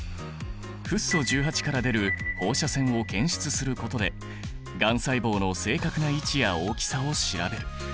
フッ素１８から出る放射線を検出することでがん細胞の正確な位置や大きさを調べる。